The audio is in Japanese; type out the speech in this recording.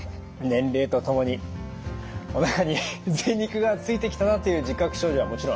年齢とともにおなかにぜい肉がついてきたなという自覚症状はもちろんあります。